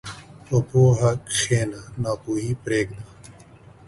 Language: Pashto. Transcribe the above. په پوهه کښېنه، ناپوهي پرېږده.